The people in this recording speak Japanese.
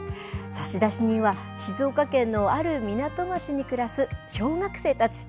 差出人は静岡県のある港町に暮らす小学生たち。